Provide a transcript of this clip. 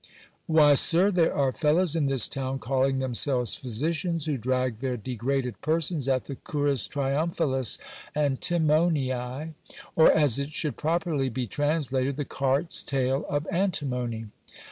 Why, sir, there are fellows in this town, calling themselves physicians, who drag their degraded persons at the currus triumphalis antimonii, or as it should properly be translated, the cart's tail of antimony.